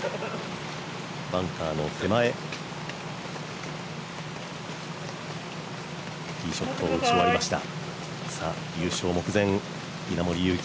バンカーの手前、ティーショットを打ち終わりました。